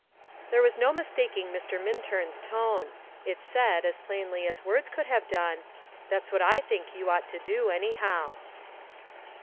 There was no mistaking Mr. Minturn's tone. It said, as plainly as words could have done, "That's what I think you ought to do, anyhow."